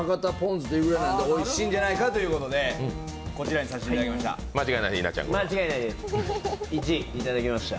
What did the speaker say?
酢というぐらいなのでおいしいんじゃないかということでこちらにさせていただきました。